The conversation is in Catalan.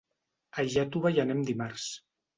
A Iàtova hi anem dimarts.